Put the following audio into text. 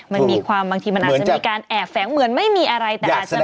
มันมีความบางทีมันอาจจะมีการแอบแฝงเหมือนไม่มีอะไรแต่อาจจะ